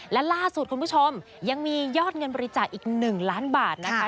และล่าสุดคุณผู้ชมยังมียอดเงินบริจาคอีก๑ล้านบาทนะคะ